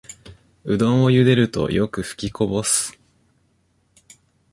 うどんをゆでるとよくふきこぼす